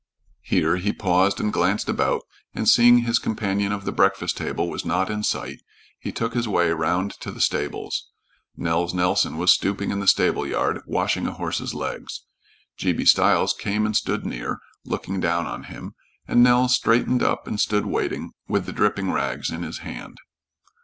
Here he paused and glanced about, and seeing his companion of the breakfast table was not in sight, he took his way around to the stables. Nels Nelson was stooping in the stable yard, washing a horse's legs. G. B. Stiles came and stood near, looking down on him, and Nels straightened up and stood waiting, with the dripping rags in his hand.